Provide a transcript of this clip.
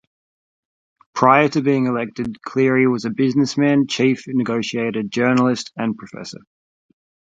Prior to being elected, Cleary was a businessman, chief negotiator, journalist and professor.